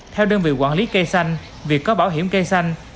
theo đơn vị quản lý cây xanh việc có bảo hiểm cây xanh